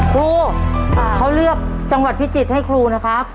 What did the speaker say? ครูเขาเลือกจังหวัดพิจิตรให้ครูนะครับ